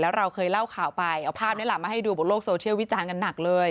เราเคยเล่าข่าวไปเอาภาพนี้แหละมาให้ดูบนโลกโซเชียลวิจารณ์กันหนักเลย